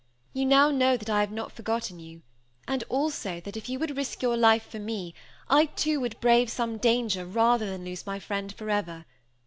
You now know that I have not forgotten you; and, also, that if you would risk your life for me, I, too, would brave some danger, rather than lose my friend forever.